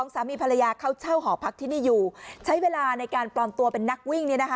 สามีภรรยาเขาเช่าหอพักที่นี่อยู่ใช้เวลาในการปลอมตัวเป็นนักวิ่ง